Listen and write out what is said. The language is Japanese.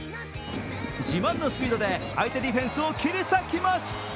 自慢のスピードで相手ディフェンスを切り裂きます。